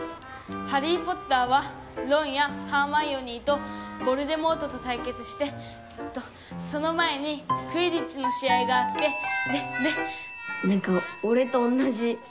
『ハリー・ポッター』はロンやハーマイオニーとヴォルデモートとたいけつしてえっとその前にクィディッチの試合があってでで」。